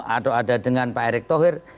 atau ada dengan pak erick thohir